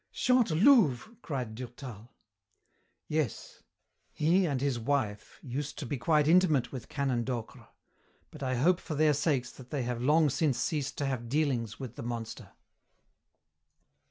"Chantelouve!" cried Durtal. "Yes, he and his wife used to be quite intimate with Canon Docre, but I hope for their sakes that they have long since ceased to have dealings with the monster."